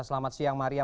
selamat siang maria